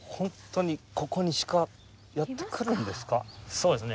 そうですね。